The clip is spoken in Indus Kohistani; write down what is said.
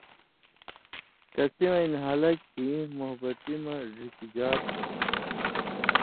کسی وَیں نھالہ کھیں موحبتی مہ ڙِھکوۡژا تُھو،